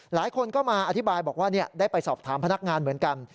หลายคนก็มาอธิบายบอกว่าได้ไปสอบถามพนักงานเหมือนกัน